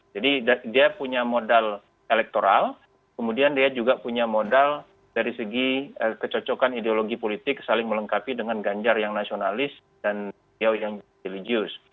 jadi dia punya modal elektoral kemudian dia juga punya modal dari segi kecocokan ideologi politik saling melengkapi dengan ganjar yang nasionalis dan yang religius